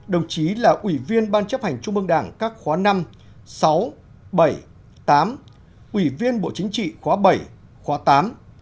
đồng chí là ủy viên ban chấp hành trung mương đảng các khóa năm sáu bảy tám ủy viên bộ chính trị khóa bảy khóa tám